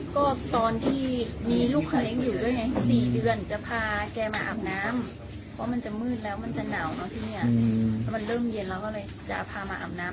ก็ตอนที่มีลูกคล้ายอยู่ด้วยแหละ๔เดือนจะพาแกมาอาบน้ำเพราะมันจะมืดแล้วมันจะหนาวแล้วที่เนี่ยมันเริ่มเย็นแล้วก็เลยจะพาแกมาอาบน้ำ